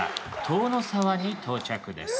塔ノ沢に到着です。